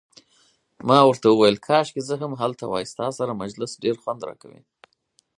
ما ورته وویل: کاشکي زه هم هلته وای، ستا سره مجلس ډیر خوند راکوي.